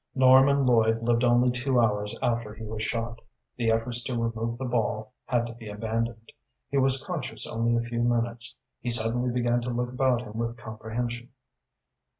Norman Lloyd lived only two hours after he was shot. The efforts to remove the ball had to be abandoned. He was conscious only a few minutes. He suddenly began to look about him with comprehension.